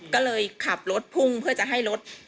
ก็เลยขับรถพุ่งเพื่อจะให้รถ